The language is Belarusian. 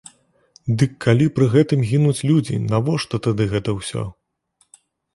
Дык калі пры гэтым гінуць людзі, навошта тады гэта ўсё?